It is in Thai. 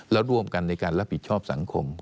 แล้วร่วมกันในการรับผิดชอบสังคม